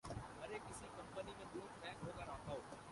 بلکہ اس کی اگر ضرورت پیش آئے تو